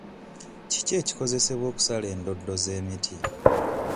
Kiki ekikozesebwa okusala endoddo z'emiti?